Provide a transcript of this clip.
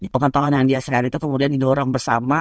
pertohonan yang dihasilkan itu kemudian didorong bersama